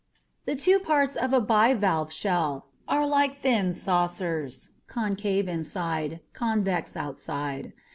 The two parts of a bivalve shell are like thin saucers, concave inside, convex outside.